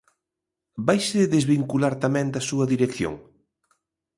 Vaise desvincular tamén da súa dirección?